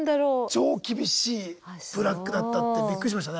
超厳しいブラックだったってびっくりしましたねあれ。